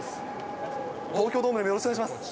東京ドームでもよろしくお願いします。